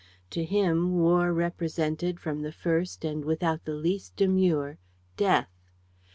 To him, war represented, from the first and without the least demur, death.